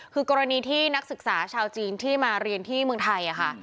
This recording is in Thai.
คือกรณีที่นักศึกษาชาวจีนที่มาเรียนที่เมืองไทยค่ะ